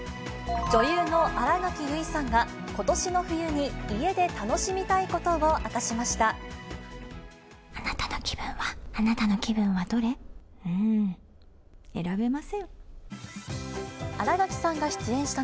女優の新垣結衣さんが、ことしの冬に家で楽しみたいことを明かしました。